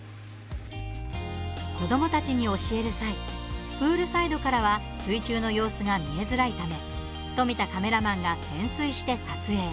子どもたちに教える際プールサイドからは水中の様子が見えづらいため富田カメラマンが潜水して撮影。